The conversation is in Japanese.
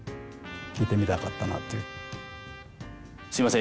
すみません。